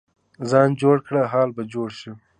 ځان جوړ کړه، حال به جوړ شي.